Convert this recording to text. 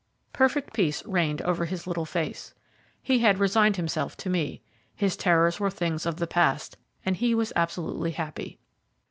Perfect peace reigned over his little face. He had resigned himself to me, his terrors were things of the past, and he was absolutely happy.